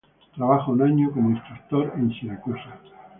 Trabaja un año como instructor en Siracusa.